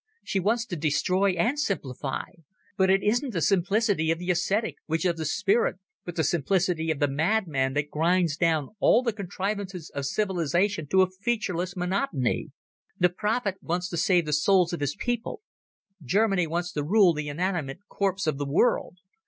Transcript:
She wants to destroy and simplify; but it isn't the simplicity of the ascetic, which is of the spirit, but the simplicity of the madman that grinds down all the contrivances of civilization to a featureless monotony. The prophet wants to save the souls of his people; Germany wants to rule the inanimate corpse of the world.